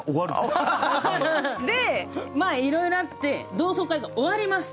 で、まあいろいろあって同窓会が終わります。